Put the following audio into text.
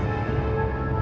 topik yang mereka tunda